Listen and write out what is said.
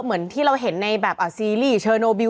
เหมือนที่เราเห็นในแบบซีรีส์เชอร์โนบิล